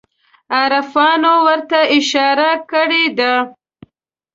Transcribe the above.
عارفانو ورته اشاره کړې ده.